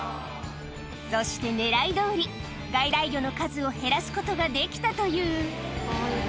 そして、ねらいどおり、外来魚の数を減らすことができたという。